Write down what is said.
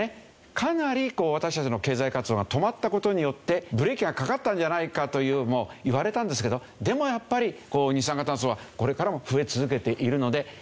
かなり私たちの経済活動が止まった事によってブレーキがかかったんじゃないかというのもいわれたんですけどでもやっぱり二酸化炭素はこれからも増え続けているので。